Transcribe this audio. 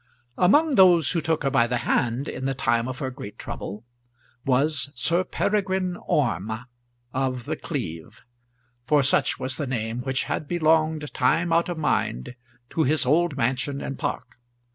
Among those who took her by the hand in the time of her great trouble was Sir Peregrine Orme of The Cleeve, for such was the name which had belonged time out of mind to his old mansion and park.